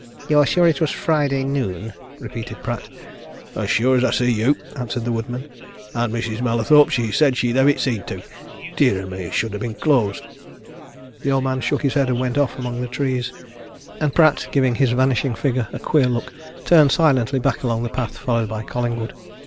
"You're sure it was Friday noon?" repeated Pratt. "As sure as that I see you," answered the woodman. "An' Mrs. Mallathorpe she said she'd hev it seen to. Dear a me! it should ha' been closed!" The old man shook his head and went off amongst the trees, and Pratt, giving his vanishing figure a queer look, turned silently back along the path, followed by Collingwood.